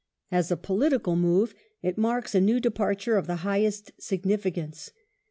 As a political move, it marks a new departure of the highest significance.